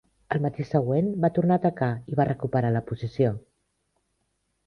Al matí següent va tornar a atacar i va recuperar la posició.